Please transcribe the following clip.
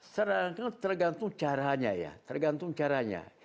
tergantung caranya ya tergantung caranya